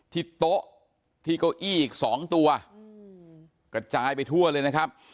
ที่โต๊ะที่เก้าอี้อีกสองตัวกระจายไปทั่วเลยนะครับ